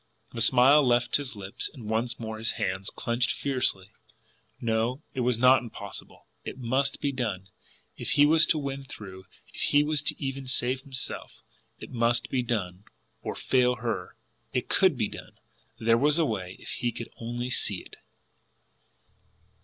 The smile left his lips, and once more his hands, clenched fiercely. No; it was not impossible! It MUST be done if he was to win through, if he was even to save himself! It must be done or FAIL her! It COULD be done; there was a way if he could only see it!